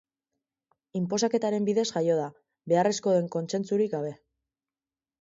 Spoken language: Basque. Inposaketaren bidez jaio da, beharrezkoa den kontsentsurik gabe.